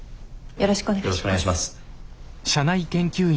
よろしくお願いします。